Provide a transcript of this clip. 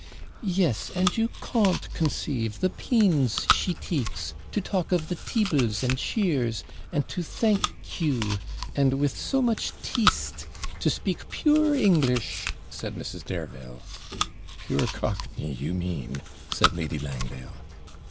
'Yes, and you CAWNT conceive the PEENS she TEEKES to talk of the TEEBLES and CHEERS, and to thank Q, and, with so much TEESTE, to speak pure English,' said Mrs. Dareville. 'Pure cockney, you mean,' said Lady Langdale.